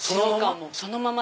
そのまま？